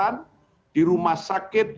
dan sekarang di rumah sakit